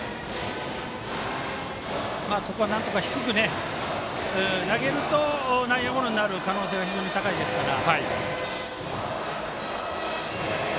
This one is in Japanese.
ここはなんとか低く投げると内野ゴロになる可能性が高いですから。